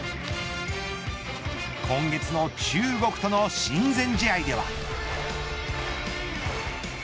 今月の中国との親善試合では。